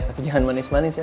tapi jangan manis manis ya